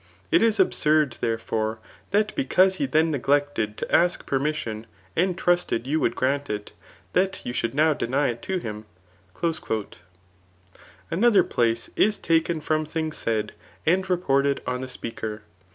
It is absurd, therefore^ that because he then neglected [to ask permissbn,^ and trusted you would grant it, that you should now deny it to him." Another place is taken from things said, .and retorted on the speaker.